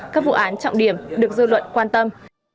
các vụ án trọng điểm được dư luận quan tâm